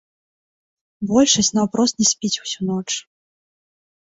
Большасць наўпрост не спіць усю ноч.